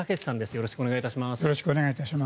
よろしくお願いします。